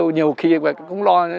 nhiều khi cũng lo